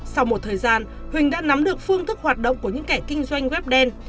sau một thời gian huỳnh đã nắm được phương thức hoạt động của những kẻ kinh doanh web đen